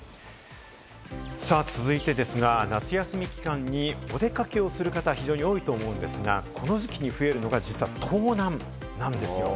続いてですが、夏休み期間にお出かけをする方、非常に多いと思うんですが、この時期に増えるのが実は盗難なんですよ。